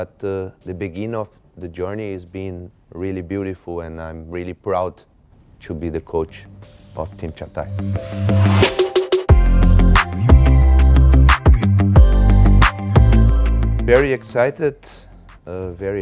แต่กลุ่มของการไปเป็นจุภัยที่ดีและฉันโชคดีจริงเป็นเตอร์ชั้นในทีมชาไต